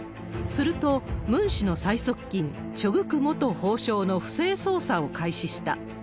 すると、ムン氏の最側近、チョ・グク元法相の不正捜査を開始した。